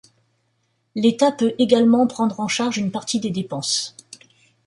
L'État peut également prendre en charge une partie des dépenses.